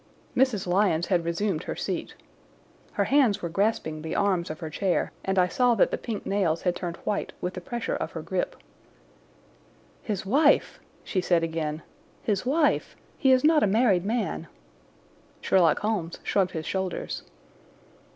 Mrs. Lyons had resumed her seat. Her hands were grasping the arms of her chair, and I saw that the pink nails had turned white with the pressure of her grip. "His wife!" she said again. "His wife! He is not a married man." Sherlock Holmes shrugged his shoulders.